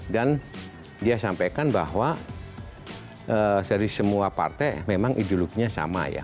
dan dia sampaikan bahwa dari semua partai memang ideologinya sama ya